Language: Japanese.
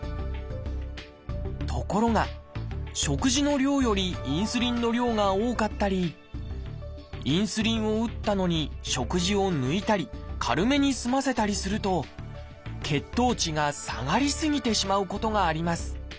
ところが食事の量よりインスリンの量が多かったりインスリンを打ったのに食事を抜いたり軽めに済ませたりすると血糖値が下がり過ぎてしまうことがあります。